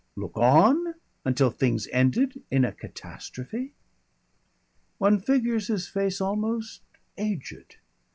Look on until things ended in a catastrophe? One figures his face almost aged.